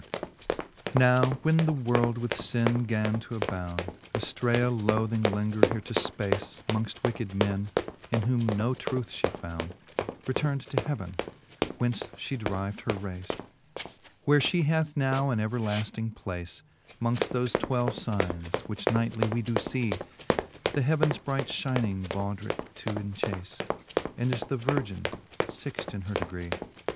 Now Canto I. the Faerie Siueene, 9 XL Now when the world with finne gan to abound, AJlrcea loarhing lenger here to fpace Mongft wicked men, in whom no truth ftie found, Return "d to heaven, whence (lie deriv'd her race j Where Ihe hath now an everlafting place, Mongft thofe twelve fignes, which nightly we do fee The heavens bright fliining baudricke to enchace ; And is the Virgin^ lixt in her degree.